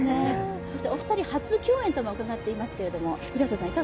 そしてお二人初共演とも伺ってますけれども？